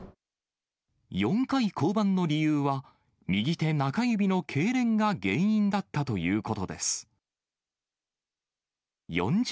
４回降板の理由は、右手中指のけいれんが原因だったということです。